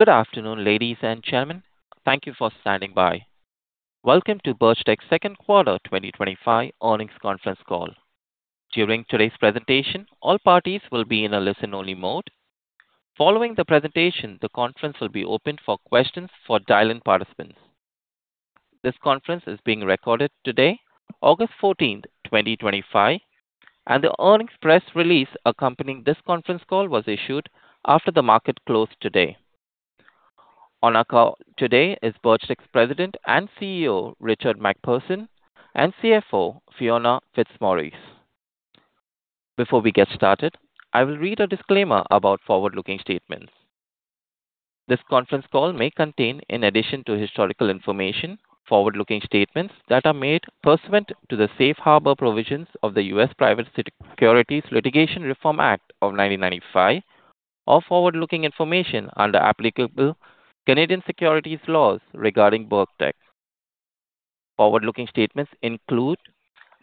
Good afternoon, ladies and gentlemen. Thank you for standing by. Welcome to Birchtech Corp.'s Second Quarter 2025 Earnings Conference Call. During today's presentation, all parties will be in a listen-only mode. Following the presentation, the conference will be open for questions for dial-in participants. This conference is being recorded today, August 14, 2025, and the earnings press release accompanying this conference call was issued after the market closed today. On our call today is Birchtech's President and CEO, Richard MacPherson, and CFO, Fiona Fitzmaurice. Before we get started, I will read a disclaimer about forward-looking statements. This conference call may contain, in addition to historical information, forward-looking statements that are made pursuant to the Safe Harbor provisions of the U.S. Private Securities Litigation Reform Act of 1995, or forward-looking information under applicable Canadian securities laws regarding Birchtech. Forward-looking statements include,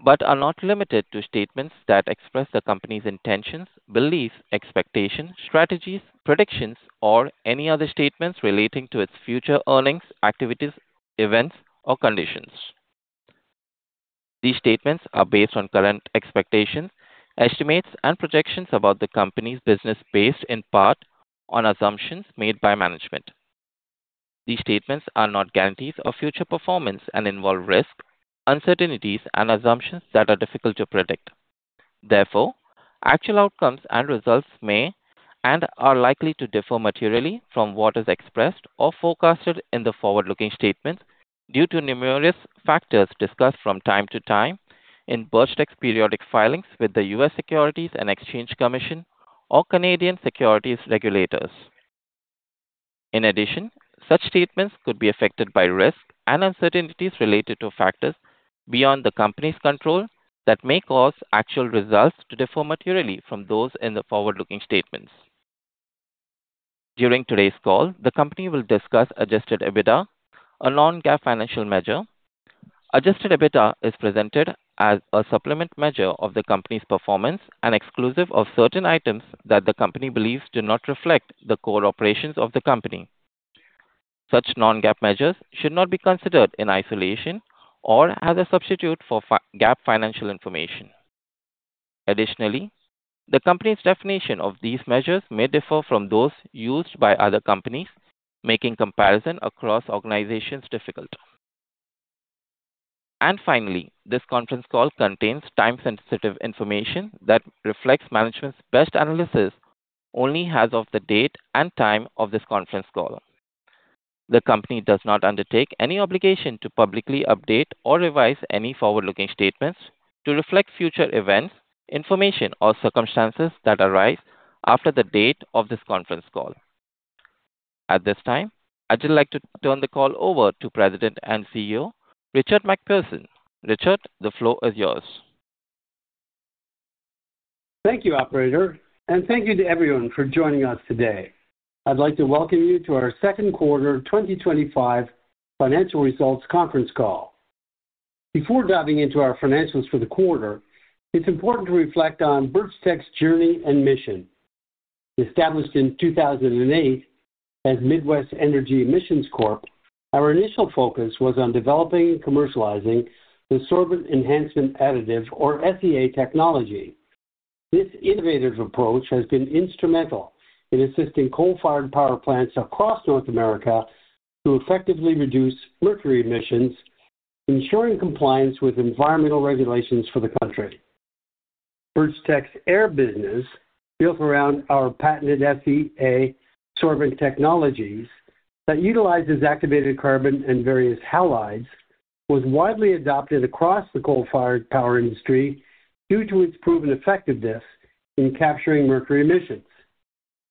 but are not limited to, statements that express the company's intentions, beliefs, expectations, strategies, predictions, or any other statements relating to its future earnings, activities, events, or conditions. These statements are based on current expectations, estimates, and projections about the company's business, based in part on assumptions made by management. These statements are not guarantees of future performance and involve risks, uncertainties, and assumptions that are difficult to predict. Therefore, actual outcomes and results may and are likely to differ materially from what is expressed or forecasted in the forward-looking statements due to numerous factors discussed from time to time in Birchtech's periodic filings with the U.S. Securities and Exchange Commission or Canadian securities regulators. In addition, such statements could be affected by risks and uncertainties related to factors beyond the company's control that may cause actual results to differ materially from those in the forward-looking statements. During today's call, the company will discuss adjusted EBITDA, a non-GAAP financial measure. Adjusted EBITDA is presented as a supplement measure of the company's performance and exclusive of certain items that the company believes do not reflect the core operations of the company. Such non-GAAP measures should not be considered in isolation or as a substitute for GAAP financial information. Additionally, the company's definition of these measures may differ from those used by other companies, making comparison across organizations difficult. Finally, this conference call contains time-sensitive information that reflects management's best analysis only as of the date and time of this conference call. The company does not undertake any obligation to publicly update or revise any forward-looking statements to reflect future events, information, or circumstances that arise after the date of this conference call. At this time, I'd like to turn the call over to President and CEO, Richard MacPherson. Richard, the floor is yours. Thank you, Operator, and thank you to everyone for joining us today. I'd like to welcome you to our second quarter 2025 financial results conference call. Before diving into our financials for the quarter, it's important to reflect on Birchtech's journey and mission. Established in 2008 as Midwest Energy Emissions Corp., our initial focus was on developing and commercializing the Sorbent Enhancement Additive, or SEA, technology. This innovative approach has been instrumental in assisting coal-fired power plants across North America to effectively reduce mercury emissions, ensuring compliance with environmental regulations for the country. Birchtech's air business, built around our patented SEA sorbent technologies that utilize activated carbon and various halides, was widely adopted across the coal-fired power industry due to its proven effectiveness in capturing mercury emissions.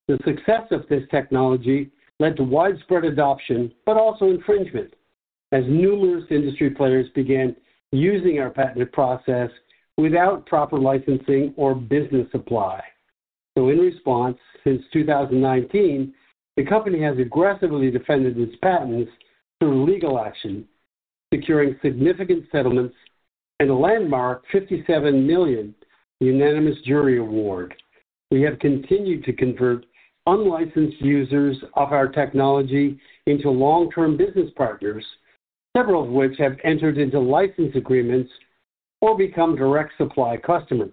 The success of this technology led to widespread adoption, but also infringement, as numerous industry players began using our patented process without proper licensing or business supply. In response, since 2019, the company has aggressively defended its patents through legal action, securing significant settlements and a landmark $57 million unanimous jury award. We have continued to convert unlicensed users of our technology into long-term business partners, several of which have entered into license agreements or become direct supply customers.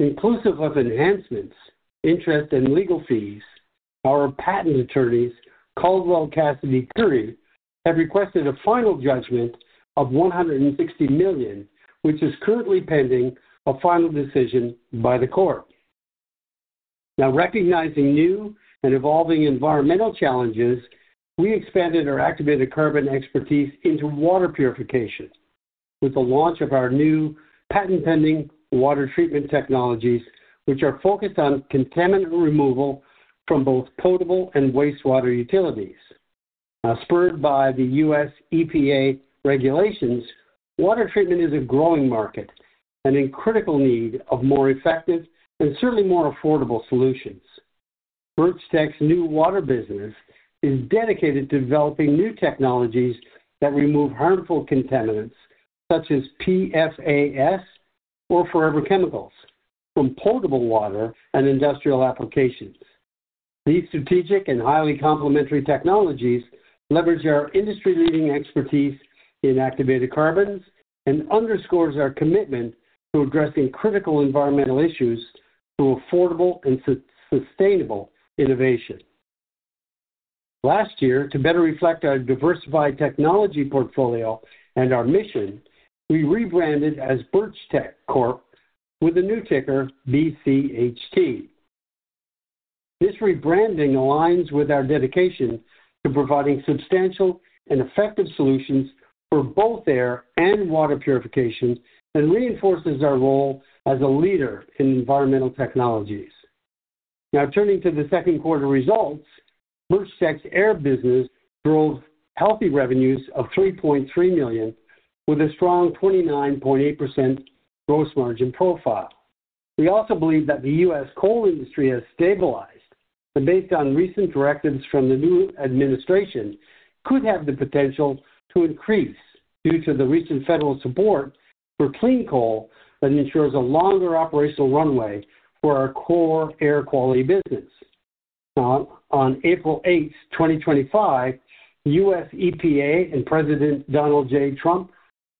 Inclusive of enhancements, interest, and legal fees, our patent attorneys, Caldwell, Cassidy, and Period, have requested a final judgment of $160 million, which is currently pending a final decision by the court. Now, recognizing new and evolving environmental challenges, we expanded our activated carbon expertise into water purification with the launch of our new patent-pending water treatment technologies, which are focused on contaminant removal from both potable and wastewater utilities. Spurred by the U.S. EPA regulations, water treatment is a growing market and in critical need of more effective and certainly more affordable solutions. Birchtech's new water business is dedicated to developing new technologies that remove harmful contaminants such as PFAS or forever chemicals from potable water and industrial applications. These strategic and highly complementary technologies leverage our industry-leading expertise in activated carbon technologies and underscore our commitment to addressing critical environmental issues through affordable and sustainable innovation. Last year, to better reflect our diversified technology portfolio and our mission, we rebranded as Birchtech Corp. with a new ticker, BCHT. This rebranding aligns with our dedication to providing substantial and effective solutions for both air and water purification and reinforces our role as a leader in environmental technologies. Now, turning to the second quarter results, Birchtech's air business drove healthy revenues of $3.3 million, with a strong 29.8% gross margin profile. We also believe that the U.S. coal industry has stabilized, but based on recent directives from the new administration, could have the potential to increase due to the recent federal support for clean coal that ensures a longer operational runway for our core air quality business. On April 8th, 2025, the U.S. EPA and President Donald J. Trump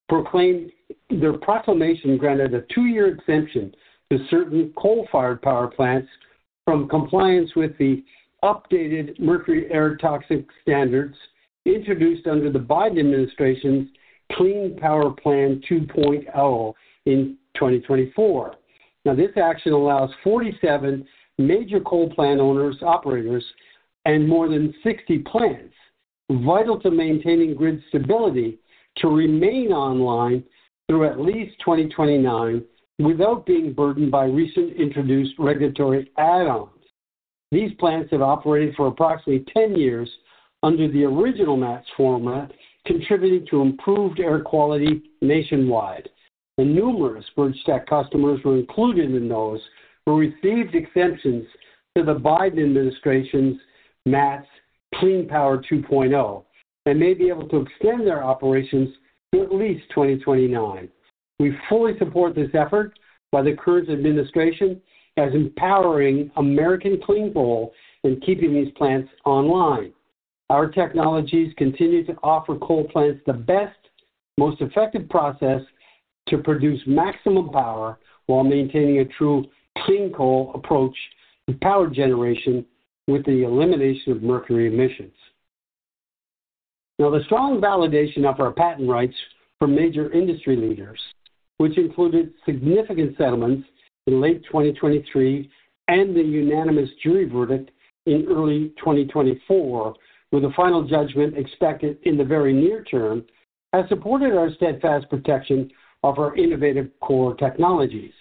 proclaimed their proclamation granted a two-year exemption to certain coal-fired power plants from compliance with the updated Mercury and Air Toxics Standards introduced under the Biden administration's Clean Power Plan 2.0 in 2024. This action allows 47 major coal plant owners, operators, and more than 60 plants, vital to maintaining grid stability, to remain online through at least 2029 without being burdened by recently introduced regulatory add-ons. These plants have operated for approximately 10 years under the original MATS formula, contributing to improved air quality nationwide. Numerous Birchtech customers were included in those who received exemptions to the Biden administration's MATS Clean Power 2.0 and may be able to extend their operations to at least 2029. We fully support this effort by the current administration as empowering American clean coal and keeping these plants online. Our technologies continue to offer coal plants the best, most effective process to produce maximum power while maintaining a true clean coal approach to power generation with the elimination of mercury emissions. Now, the strong validation of our patent rights from major industry leaders, which included significant settlements in late 2023 and the unanimous jury verdict in early 2024, with a final judgment expected in the very near term, has supported our steadfast protection of our innovative core technologies.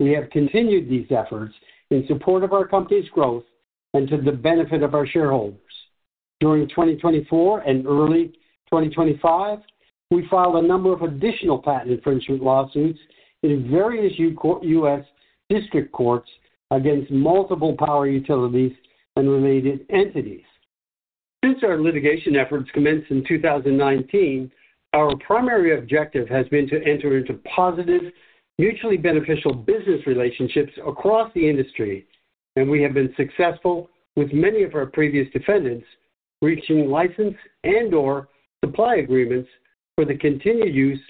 We have continued these efforts in support of our company's growth and to the benefit of our shareholders. During 2024 and early 2025, we filed a number of additional patent infringement lawsuits in various U.S. district courts against multiple power utilities and related entities. Since our litigation efforts commenced in 2019, our primary objective has been to enter into positive, mutually beneficial business relationships across the industry, and we have been successful with many of our previous defendants reaching license and/or supply agreements for the continued use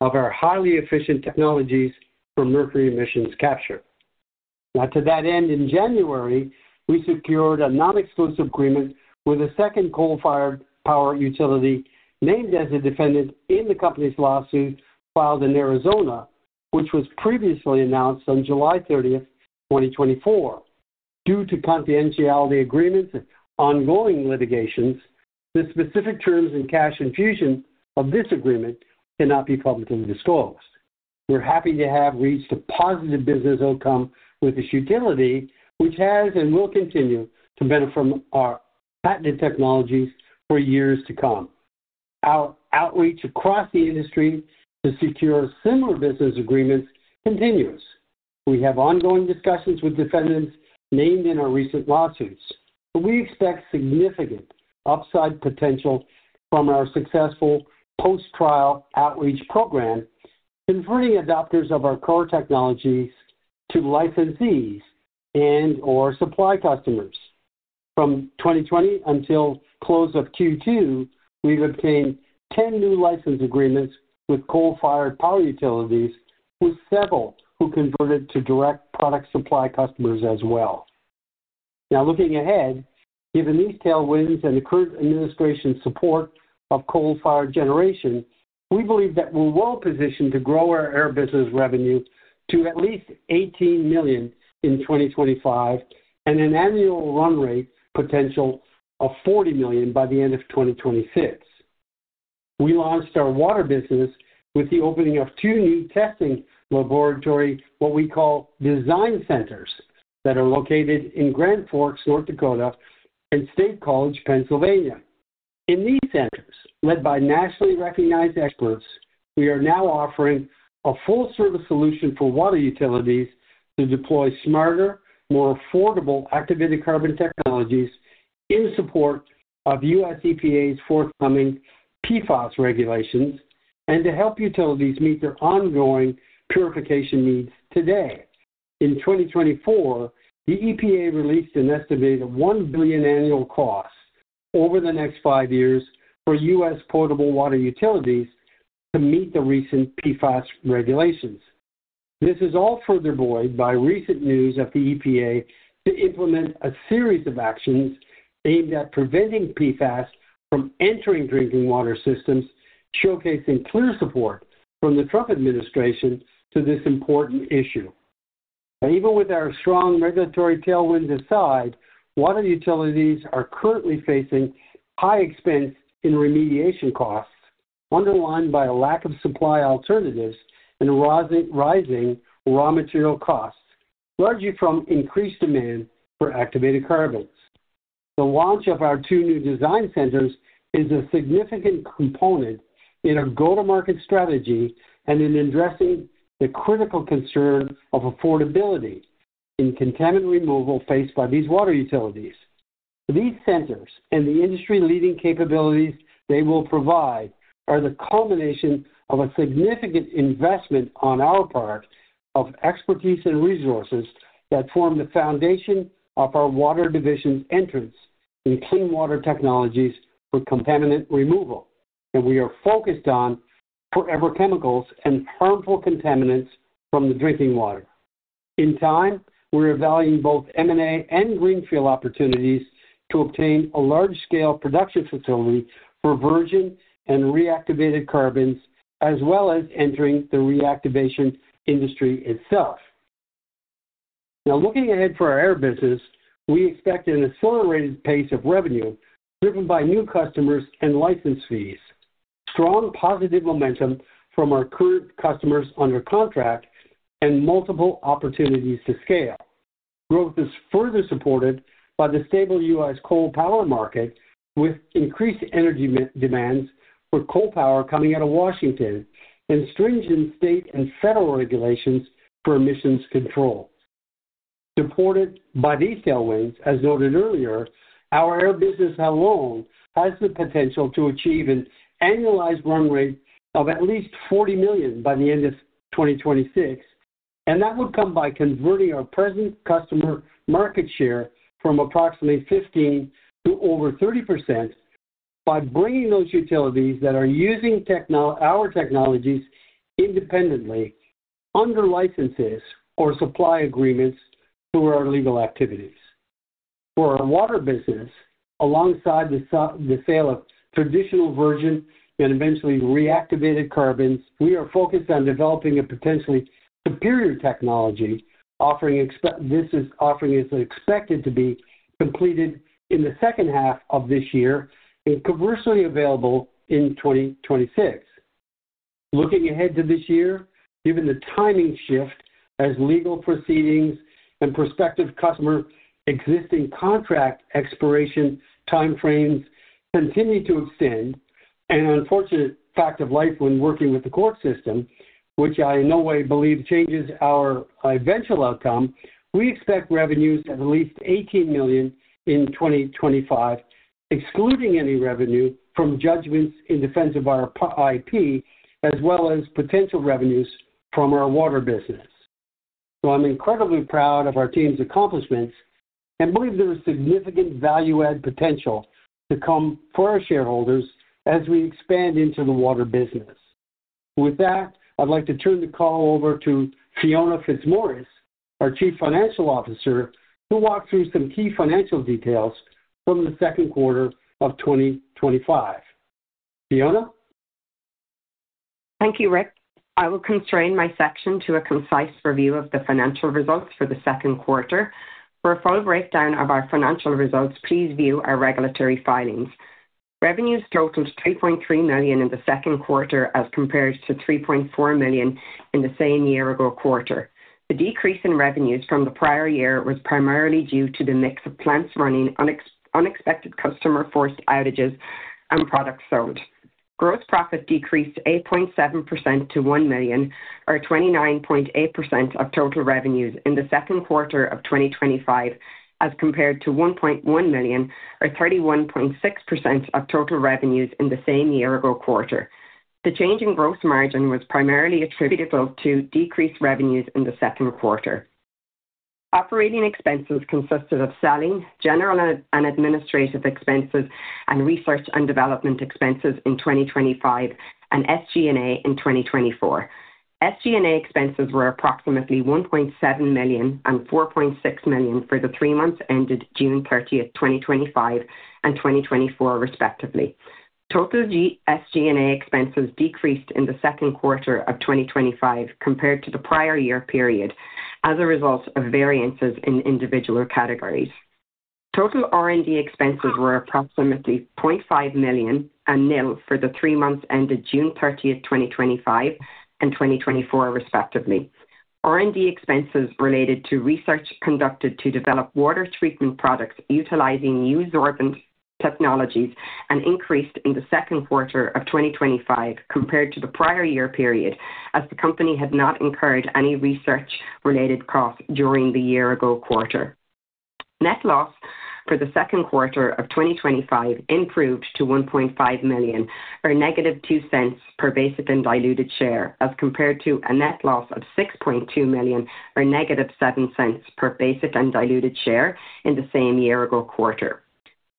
of our highly efficient technologies for mercury emissions capture. To that end, in January, we secured a non-exclusive agreement with a second coal-fired power utility named as a defendant in the company's lawsuit filed in Arizona, which was previously announced on July 30, 2024. Due to confidentiality agreements and ongoing litigations, the specific terms and cash infusion of this agreement cannot be publicly disclosed. We're happy to have reached a positive business outcome with this utility, which has and will continue to benefit from our patented technologies for years to come. Our outreach across the industry to secure similar business agreements continues. We have ongoing discussions with defendants named in our recent lawsuits, but we expect significant upside potential from our successful post-trial outreach program, converting adopters of our core technologies to licensees and/or supply customers. From 2020 until the close of Q2, we've obtained 10 new license agreements with coal-fired power utilities, with several who converted to direct product supply customers as well. Now, looking ahead, given these tailwinds and the current administration's support of coal-fired generation, we believe that we're well positioned to grow our air business revenue to at least $18 million in 2025 and an annual run rate potential of $40 million by the end of 2026. We launched our water business with the opening of two new testing laboratories, what we call design centers, that are located in Grand Forks, North Dakota, and State College, Pennsylvania. In these centers, led by nationally recognized experts, we are now offering a full-service solution for water utilities to deploy smarter, more affordable activated carbon technologies in support of U.S. EPA's forthcoming PFAS regulations and to help utilities meet their ongoing purification needs today. In 2024, the EPA released an estimated $1 billion annual cost over the next five years for U.S. potable water utilities to meet the recent PFAS regulations. This is all further buoyed by recent news of the EPA to implement a series of actions aimed at preventing PFAS from entering drinking water systems, showcasing clear support from the Trump administration to this important issue. Even with our strong regulatory tailwinds aside, water utilities are currently facing high expense in remediation costs, underlined by a lack of supply alternatives and a rising raw material cost, largely from increased demand for activated carbons. The launch of our two new design centers is a significant component in our go-to-market strategy and in addressing the critical concern of affordability in contaminant removal faced by these water utilities. These centers and the industry-leading capabilities they will provide are the culmination of a significant investment on our part of expertise and resources that form the foundation of our water division's entrance in clean water technologies for contaminant removal, and we are focused on forever chemicals and harmful contaminants from the drinking water. In time, we're evaluating both M&A and greenfield opportunities to obtain a large-scale production facility for virgin and reactivated carbons, as well as entering the reactivation industry itself. Now, looking ahead for our air business, we expect an accelerated pace of revenue driven by new customers and license fees, strong positive momentum from our current customers under contract, and multiple opportunities to scale. Growth is further supported by the stable U.S. coal power market, with increased energy demands for coal power coming out of Washington and stringent state and federal regulations for emissions control. Supported by these tailwinds, as noted earlier, our air business alone has the potential to achieve an annualized run rate of at least $40 million by the end of 2026, and that would come by converting our present customer market share from approximately 15% to over 30% by bringing those utilities that are using our technologies independently under licenses or supply agreements through our legal activities. For our water business, alongside the sale of traditional virgin and eventually reactivated carbons, we are focused on developing a potentially superior technology. This offering is expected to be completed in the second half of this year and commercially available in 2026. Looking ahead to this year, given the timing shift as legal proceedings and prospective customer existing contract expiration timeframes continue to extend, an unfortunate fact of life when working with the court system, which I in no way believe changes our eventual outcome, we expect revenues of at least $18 million in 2025, excluding any revenue from judgments in defense of our IP, as well as potential revenues from our water business. I'm incredibly proud of our team's accomplishments and believe there is significant value-add potential to come for our shareholders as we expand into the water business. With that, I'd like to turn the call over to Fiona Fitzmaurice, our Chief Financial Officer, to walk through some key financial details from the second quarter of 2025. Fiona? Thank you, Rick. I will constrain my section to a concise review of the financial results for the second quarter. For a full breakdown of our financial results, please view our regulatory filings. Revenues totaled $3.3 million in the second quarter as compared to $3.4 million in the same year-ago quarter. The decrease in revenues from the prior year was primarily due to the mix of plants running, unexpected customer force outages, and product sold. Gross profit decreased 8.7% to $1 million, or 29.8% of total revenues in the second quarter of 2025, as compared to $1.1 million, or 31.6% of total revenues in the same year-ago quarter. The change in gross margin was primarily attributable to decreased revenues in the second quarter. Operating expenses consisted of selling, general and administrative expenses, and research and development expenses in 2025, and SG&A in 2024. SG&A expenses were approximately $1.7 million and $4.6 million for the three months ended June 30, 2025, and 2024, respectively. Total SG&A expenses decreased in the second quarter of 2025 compared to the prior year period as a result of variances in individual categories. Total R&D expenses were approximately $0.5 million and nill for the three months ended June 30, 2025, and 2024, respectively. R&D expenses related to research conducted to develop water treatment products utilizing new sorbent technologies increased in the second quarter of 2025 compared to the prior year period, as the company had not incurred any research-related costs during the year-ago quarter. Net loss for the second quarter of 2025 improved to $1.5 million, or -$0.02 per basic and diluted share, as compared to a net loss of $6.2 million, or -$0.07 per basic and diluted share in the same year-ago quarter.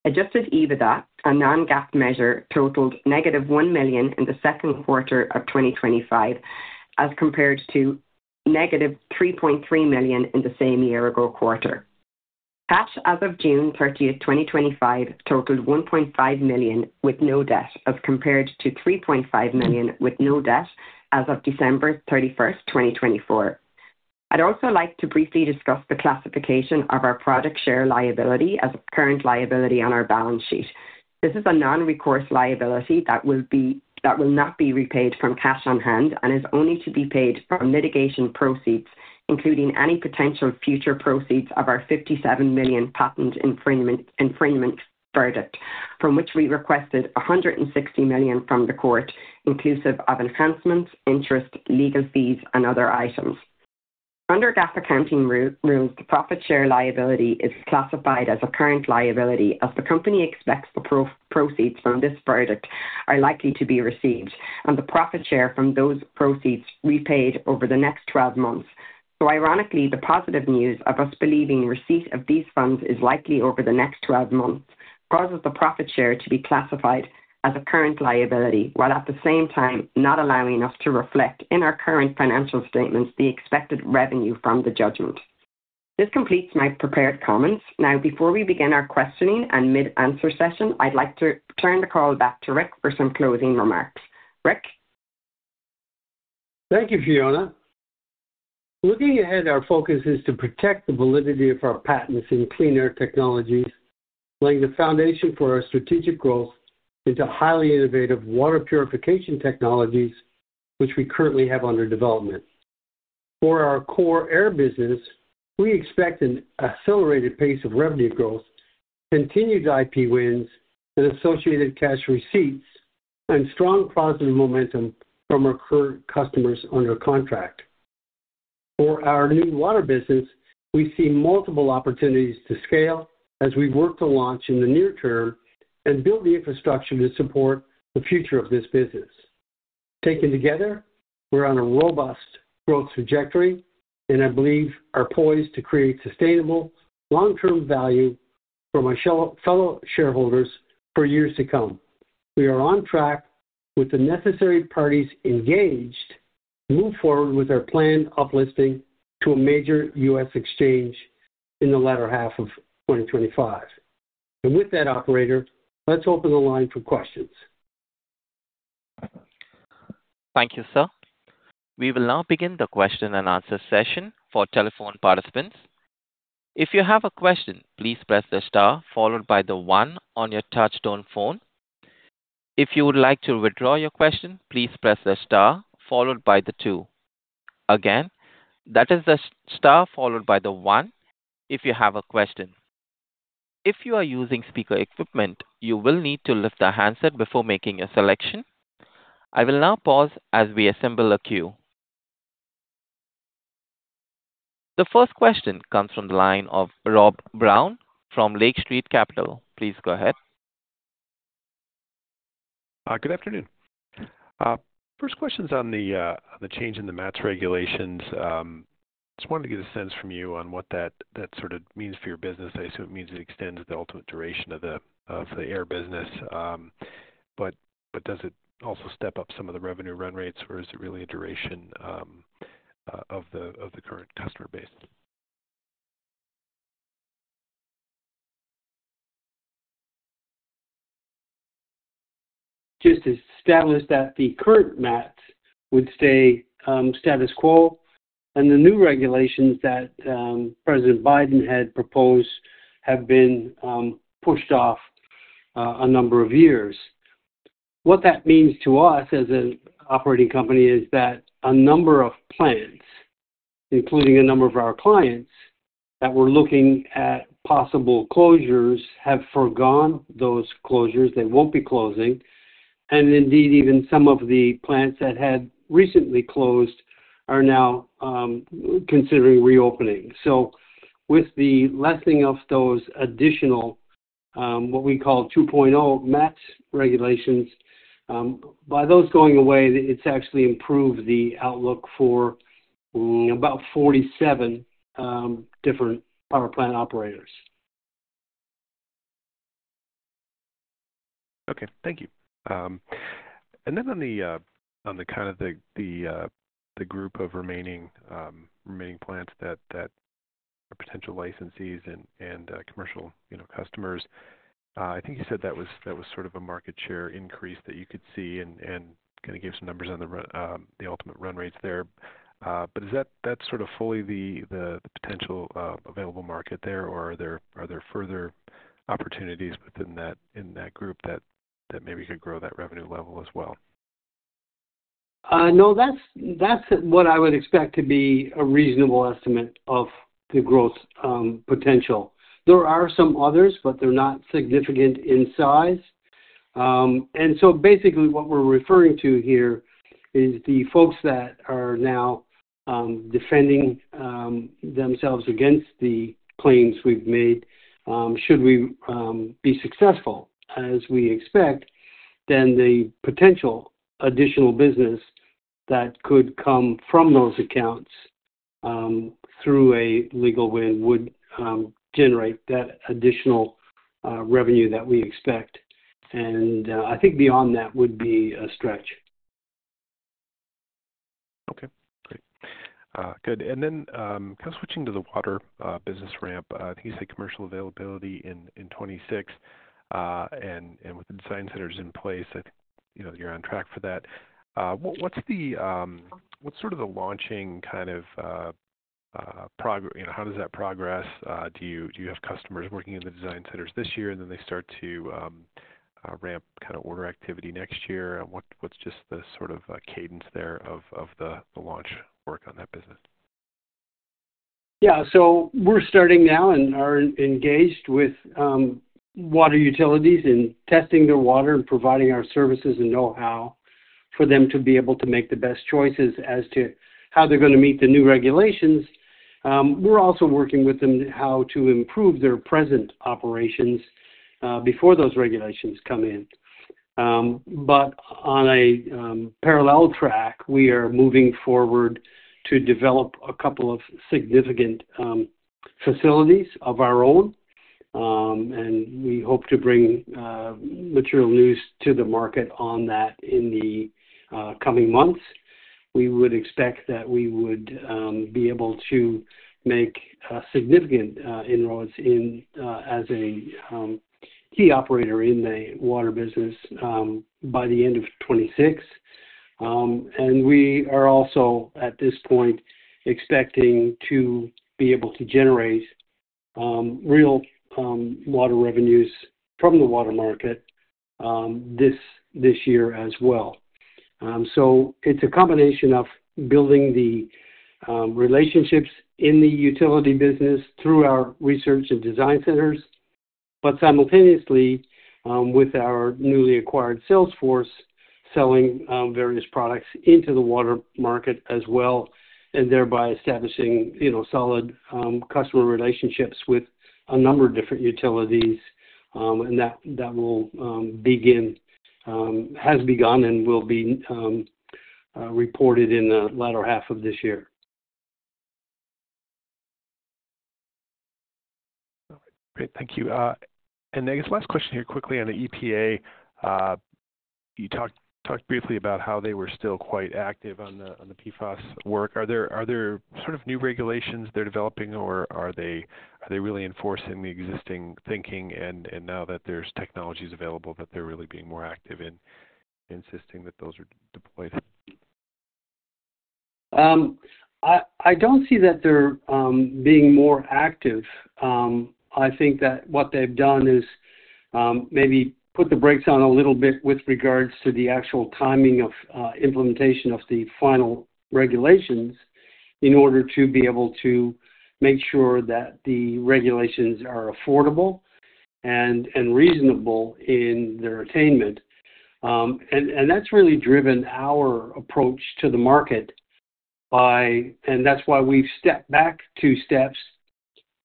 Adjusted EBITDA, a non-GAAP measure, totaled -$1 million in the second quarter of 2025, as compared to -$3.3 million in the same year-ago quarter. Cash as of June 30, 2025, totaled $1.5 million with no debt, as compared to $3.5 million with no debt as of December 31st, 2024. I'd also like to briefly discuss the classification of our product share liability as current liability on our balance sheet. This is a non-recourse liability that will not be repaid from cash on hand and is only to be paid from litigation proceeds, including any potential future proceeds of our $57 million patent infringement verdict, from which we requested $160 million from the court, inclusive of enhancements, interest, legal fees, and other items. Under GAAP accounting rules, the profit share liability is classified as a current liability, as the company expects the proceeds from this verdict are likely to be received, and the profit share from those proceeds repaid over the next 12 months. Ironically, the positive news of us believing receipt of these funds is likely over the next 12 months causes the profit share to be classified as a current liability, while at the same time not allowing us to reflect in our current financial statements the expected revenue from the judgment. This completes my prepared comments. Now, before we begin our questioning and mid-answer session, I'd like to turn the call back to Rick for some closing remarks. Rick? Thank you, Fiona. Looking ahead, our focus is to protect the validity of our patents in clean air technologies, laying the foundation for our strategic growth into highly innovative water purification technologies, which we currently have under development. For our core air business, we expect an accelerated pace of revenue growth, continued IP wins and associated cash receipts, and strong positive momentum from our current customers under contract. For our new water business, we see multiple opportunities to scale as we work to launch in the near term and build the infrastructure to support the future of this business. Taken together, we're on a robust growth trajectory, and I believe we are poised to create sustainable long-term value for my fellow shareholders for years to come. We are on track with the necessary parties engaged to move forward with our planned uplisting to a major U.S. exchange in the latter half of 2025. Operator, let's open the line for questions. Thank you, sir. We will now begin the question and answer session for telephone participants. If you have a question, please press the star followed by the one on your touchstone phone. If you would like to withdraw your question, please press the star followed by the two. Again, that is the star followed by the one if you have a question. If you are using speaker equipment, you will need to lift the handset before making a selection. I will now pause as we assemble the queue. The first question comes from the line of Rob Brown from Lake Street Capital. Please go ahead. Good afternoon. First question is on the change in the MATS regulations. I just wanted to get a sense from you on what that sort of means for your business. I assume it means it extends the ultimate duration of the air business. Does it also step up some of the revenue run rates, or is it really a duration of the current customer base? Just established that the current MATS would stay status quo, and the new regulations that President Biden had proposed have been pushed off a number of years. What that means to us as an operating company is that a number of plants, including a number of our clients that were looking at possible closures, have forgone those closures. They won't be closing. Indeed, even some of the plants that had recently closed are now considering reopening. With the lessening of those additional, what we call 2.0 MATS regulations, by those going away, it's actually improved the outlook for about 47 different power plant operators. Okay. Thank you. On the group of remaining plants that are potential licensees and commercial customers, I think you said that was sort of a market share increase that you could see and kind of give some numbers on the ultimate run rates there. Is that fully the potential available market there, or are there further opportunities within that group that maybe could grow that revenue level as well? No, that's what I would expect to be a reasonable estimate of the growth potential. There are some others, but they're not significant in size. Basically, what we're referring to here is the folks that are now defending themselves against the claims we've made. Should we be successful, as we expect, the potential additional business that could come from those accounts through a legal win would generate that additional revenue that we expect. I think beyond that would be a stretch. Okay. Great. Good. Kind of switching to the water business ramp, I think you said commercial availability in 2026. With the design centers in place, I think you're on track for that. What's sort of the launching kind of progress? How does that progress? Do you have customers working in the design centers this year, and then they start to ramp kind of order activity next year? What's just the sort of cadence there of the launch work on that business? Yeah. We are starting now and are engaged with water utilities in testing their water and providing our services and know-how for them to be able to make the best choices as to how they're going to meet the new regulations. We are also working with them on how to improve their present operations before those regulations come in. On a parallel track, we are moving forward to develop a couple of significant facilities of our own, and we hope to bring material news to the market on that in the coming months. We would expect that we would be able to make significant inroads as a key operator in the water business by the end of 2026. We are also, at this point, expecting to be able to generate real water revenues from the water market this year as well. It is a combination of building the relationships in the utility business through our research and design centers, simultaneously with our newly acquired sales force selling various products into the water market as well, thereby establishing solid customer relationships with a number of different utilities. That will begin, has begun, and will be reported in the latter half of this year. Great. Thank you. I guess last question here quickly on the EPA. You talked briefly about how they were still quite active on the PFAS work. Are there sort of new regulations they're developing, or are they really enforcing the existing thinking? Now that there's technologies available, they're really being more active in insisting that those are deployed? I don't see that they're being more active. I think that what they've done is maybe put the brakes on a little bit with regards to the actual timing of implementation of the final regulations in order to be able to make sure that the regulations are affordable and reasonable in their attainment. That's really driven our approach to the market, and that's why we've stepped back two steps,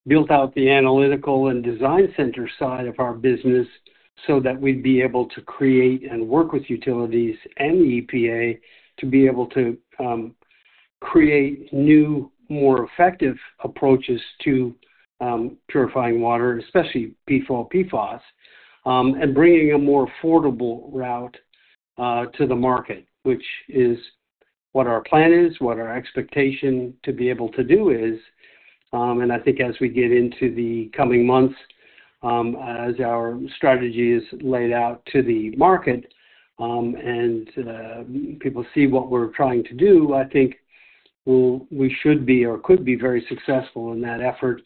built out the analytical and design center side of our business so that we'd be able to create and work with utilities and the EPA to be able to create new, more effective approaches to purifying water, especially PFAS, and bringing a more affordable route to the market, which is what our plan is, what our expectation to be able to do is. I think as we get into the coming months, as our strategy is laid out to the market and people see what we're trying to do, we should be or could be very successful in that effort.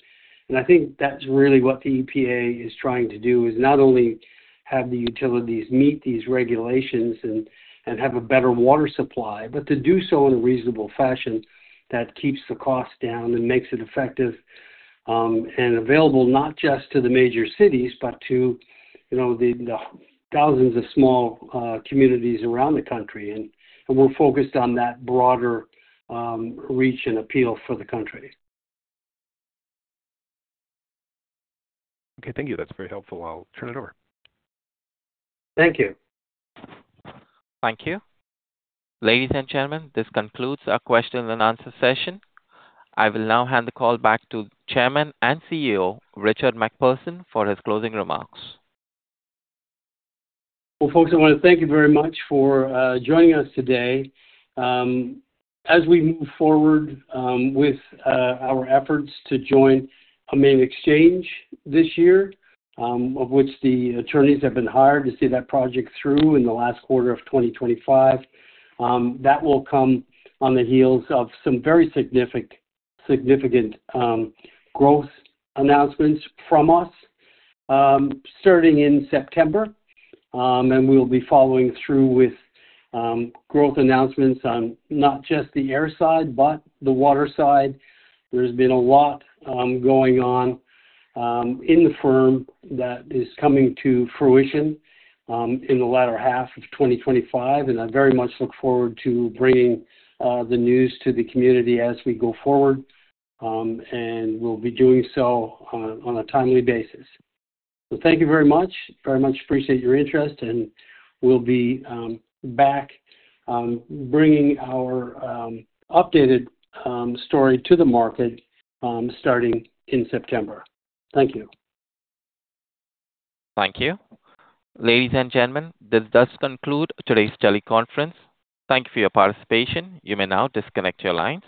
I think that's really what the EPA is trying to do, is not only have the utilities meet these regulations and have a better water supply, but to do so in a reasonable fashion that keeps the cost down and makes it effective and available not just to the major cities, but to the thousands of small communities around the country. We're focused on that broader reach and appeal for the country. Okay, thank you. That's very helpful. I'll turn it over. Thank you. Thank you. Ladies and gentlemen, this concludes our question and answer session. I will now hand the call back to Chairman and CEO Richard MacPherson for his closing remarks. Thank you very much for joining us today. As we move forward with our efforts to join a main exchange this year, the attorneys have been hired to see that project through in the last quarter of 2025. That will come on the heels of some very significant growth announcements from us starting in September, and we'll be following through with growth announcements on not just the air side, but the water side. There's been a lot going on in the firm that is coming to fruition in the latter half of 2025. I very much look forward to bringing the news to the community as we go forward, and we'll be doing so on a timely basis. Thank you very much. Very much appreciate your interest, and we'll be back bringing our updated story to the market starting in September. Thank you. Thank you. Ladies and gentlemen, this does conclude today's teleconference. Thank you for your participation. You may now disconnect your lines.